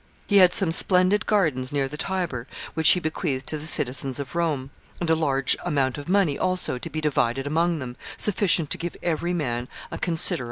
He had some splendid gardens near the Tiber, which he bequeathed to the citizens of Rome, and a large amount of money also, to be divided among them, sufficient to give every man a considerable sum.